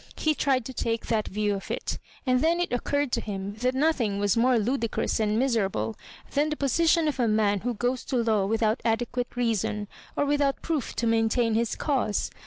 He tried to take that view of it ; and then it occurred to him that nothing was more ludicrous and miserable than the position of a man who goes to law without adequate reason, or without proof to maintain his cause.